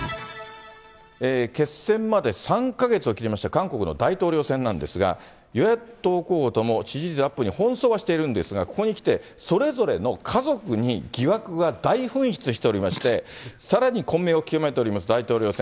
決選まで３か月を切りました、韓国の大統領選なんですが、与野党候補とも、支持率アップに奔走はしているんですけれども、ここにきて、それぞれの家族に疑惑が大噴出しておりまして、さらに混迷を極めております大統領選。